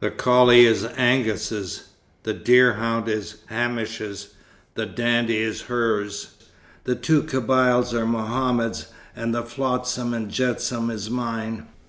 The collie is Angus's. The deerhound is Hamish's. The dandy is hers. The two Kabyles are Mohammed's, and the flotsam and jetsam is mine.